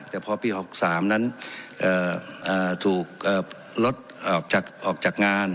แต่พอปี๖๓นั้นถูกลดออกจากงาน